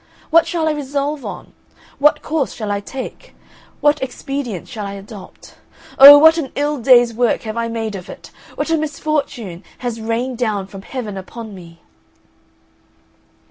What shall I resolve on? What course shall I take? What expedient shall I adopt? Oh, what an ill day's work have I made of it! What a misfortune has rained down from heaven upon me!"